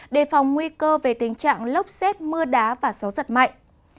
đề phòng nguy cơ về tình trạng lốc xét mưa đá và gió giật mạnh